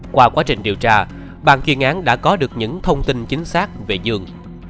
qua quá trình điều tra bàn chuyên án đã có được những thông tin chính xác về dương